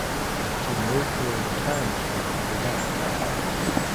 She moved to a retirement home after that.